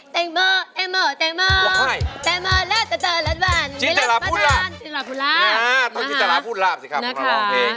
จินตะลาพูดลาต้องจินตะลาพูดลาสิคะมกร้องเพลง